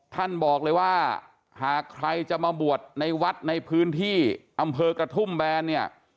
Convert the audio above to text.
ท่านบอกเลยว่าหากใครจะมาบวชในวัดในพื้นที่อำเภอกระทุ่มแบนเนี่ย